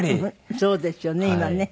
そうですよね今ね。